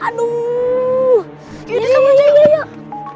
aduh yuk yuk yuk